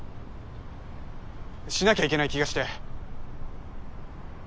しなきゃいけない気がして。